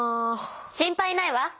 心配ないわ。